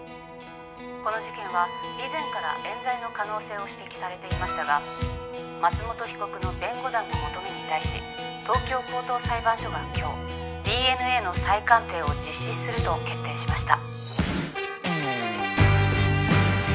この事件は以前からえん罪の可能性を指摘されていましたが松本被告の弁護団の求めに対し東京高等裁判所が今日ＤＮＡの再鑑定を実施すると決定しました。